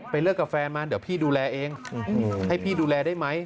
เลิกกับแฟนมาเดี๋ยวพี่ดูแลเองให้พี่ดูแลได้ไหม